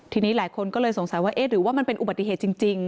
ทีนี้หลายคนก็เลยสงสัยว่าเอ๊ะหรือว่ามันเป็นอุบัติเหตุจริง